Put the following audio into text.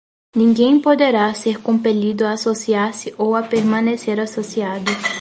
ninguém poderá ser compelido a associar-se ou a permanecer associado